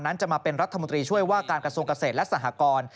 จะมาเป็นรัฐมนตรีช่วยว่าการกระทรวงเกษตรและสหกร